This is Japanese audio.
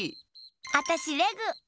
あたしレグ！